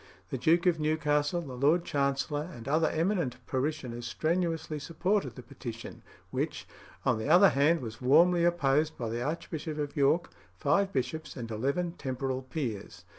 The Duke of Newcastle, the Lord Chancellor, and other eminent parishioners strenuously supported the petition, which, on the other hand, was warmly opposed by the Archbishop of York, five bishops, and eleven temporal peers.